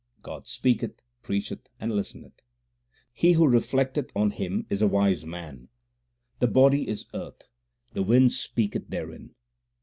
God speaketh, preacheth, and listeneth ; He who reflecteth on himself is a wise man. The body is earth, the wind speaketh therein.